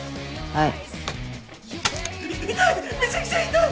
はい。